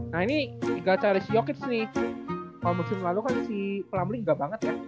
nah ini ga cari si jokic nih kalo musim lalu kan si plumlee ga banget ya